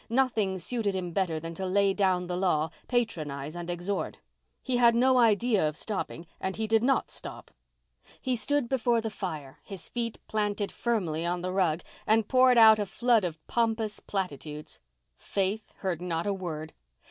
Nothing suited him better than to lay down the law, patronize and exhort. He had no idea of stopping, and he did not stop. He stood before the fire, his feet planted firmly on the rug, and poured out a flood of pompous platitudes. Faith heard not a word.